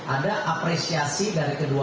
ada apresiasi dari kedua